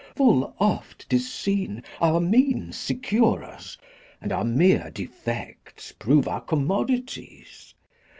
Full oft 'tis seen Our means secure us, and our mere defects Prove our commodities.